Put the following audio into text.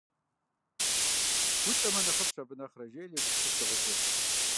УлӀэмэ, нэхъыфӀщ, абы нэхърэ, жеӏэри йогупсыс дыгъужьыр.